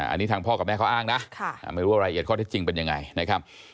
อันนี้ทางพ่อกับแม่เขาอ้างนะไม่รู้ว่ารายละเอียดข้อเท็จจริงเป็นยังไงนะครับ